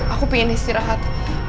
aku pengen istirahat